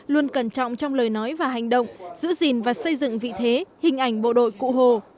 luôn cẩn trọng trong lời nói và hành động giữ gìn và xây dựng vị thế hình ảnh bộ đội cụ hồ